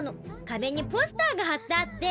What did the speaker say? かべにポスターがはってあって。